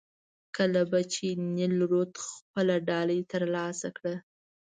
کله به چې نیل رود خپله ډالۍ ترلاسه کړه.